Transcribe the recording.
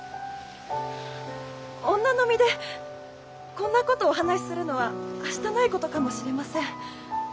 女の身でこんなことお話しするのははしたないことかもしれません。